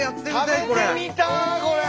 食べてみたいこれ。